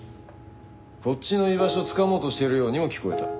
こっちの居場所つかもうとしてるようにも聞こえた。